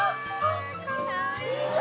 かわいい！